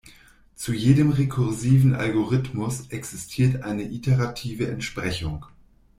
Zu jedem rekursiven Algorithmus existiert eine iterative Entsprechung.